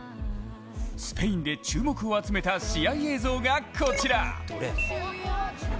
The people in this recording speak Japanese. スペインで注目を集めた試合映像が、こちら！